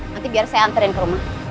nanti biar saya anterin ke rumah